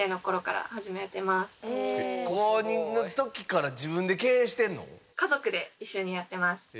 高２の時から自分で経営してんの？